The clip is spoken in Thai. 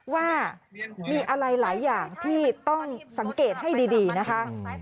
ว่ามีอะไรหลายอย่างที่ต้องสังเกตให้ดีนะคะ